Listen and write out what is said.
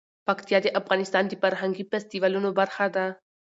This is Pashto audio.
پکتیا د افغانستان د فرهنګي فستیوالونو برخه ده.